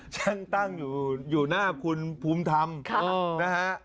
ช่างตั้งอยู่หน้าคุณภูมิธรรมนะฮะ